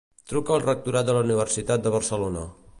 Truca al rectorat de la Universitat de Barcelona.